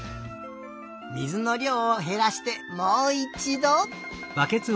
水のりょうをへらしてもういちど！